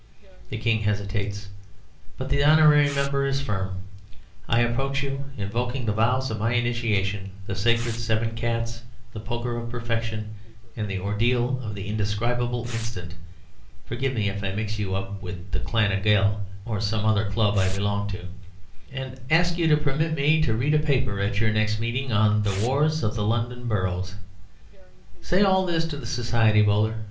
The King hesitates, but the honorary member is firm. I approach you invoking the vows of my initiation, the Sacred Seven Cats, the Poker of Perfection, and the Ordeal of the Indescribable Instant (forgive me if I mix you up with the Clan na Gael or some other club I belong to), and ask you to permit me to read a paper at your next meeting on the "Wars of the London Boroughs."' Say all this to the Society, Bowler.